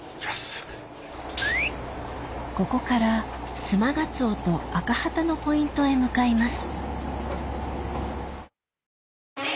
ここからスマガツオとアカハタのポイントへ向かいます